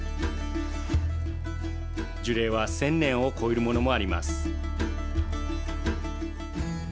樹齢は、１０００年を越えるものもあります。